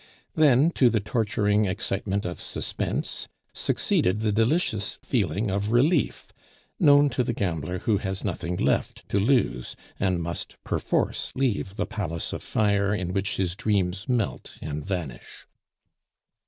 Then to the torturing excitement of suspense succeeded the delicious feeling of relief known to the gambler who has nothing left to lose, and must perforce leave the palace of fire in which his dreams melt and vanish.